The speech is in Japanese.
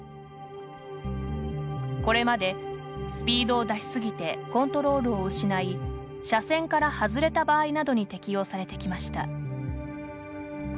これまでスピードを出し過ぎてコントロールを失い車線から外れた場合などに適用されてきました。